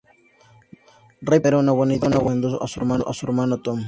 Ray pensó que no era una buena idea y mandó a su hermano Tom.